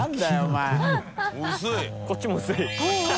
筿ぁこっちも薄い。